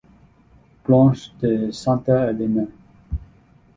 Branche de Santa Elena.